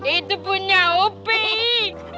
itu punya opik